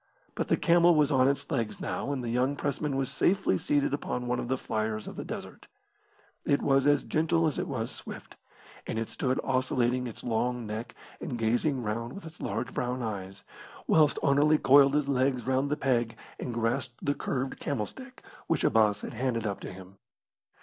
But the camel was on its legs now, and the young pressman was safely seated upon one of the fliers of the desert. It was as gentle as it was swift, and it stood oscillating its long neck and gazing round with its large brown eyes, whilst Anerley coiled his legs round the peg and grasped the curved camel stick which Abbas had handed up to him.